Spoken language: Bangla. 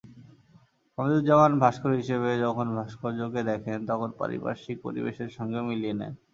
হামিদুজ্জামান ভাস্কর হিসেবে যখন ভাস্কর্যকে দেখেন, তখন পারিপার্শ্বিক পরিবেশের সঙ্গেও মিলিয়ে নেন।